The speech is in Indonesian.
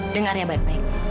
dengar ya baik baik